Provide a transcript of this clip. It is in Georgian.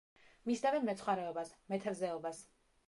მისდევენ მეცხვარეობას, მეთევზეობას.